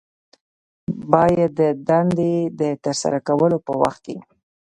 باید د دندې د ترسره کولو په وخت کې